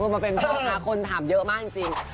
มาเป็นพ่อค้าคนถามเยอะมากจริง